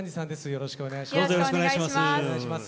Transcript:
よろしくお願いします。